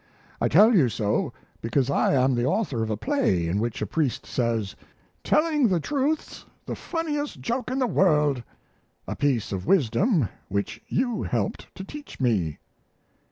I tell you so because I am the author of a play in which a priest says, "Telling the truth's the funniest joke in the world," a piece of wisdom which you helped to teach me.